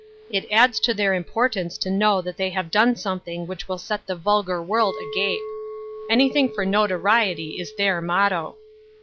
It adds to their importance to know that they have done something which will set the vul gar world a gap. ' Anything for notoriety ' is their motto."